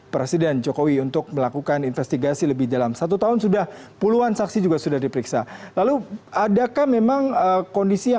penyidik polri blikjan polisi muhammad iqbal mengatakan